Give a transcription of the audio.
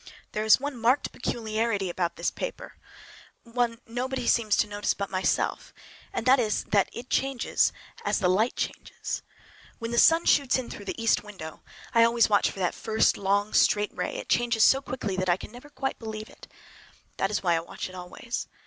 There is one marked peculiarity about this paper, a thing nobody seems to notice but myself, and that is that it changes as the light changes. When the sun shoots in through the east window—I always watch for that first long, straight ray—it changes so quickly that I never can quite believe it. That is why I watch it always.